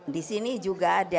disini juga ada